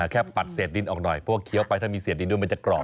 ปัดเศษดินออกหน่อยเพราะว่าเคี้ยวไปถ้ามีเศษดินด้วยมันจะกรอบ